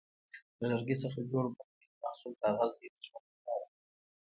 له لرګي څخه جوړ بل مهم محصول کاغذ دی د ژوند لپاره.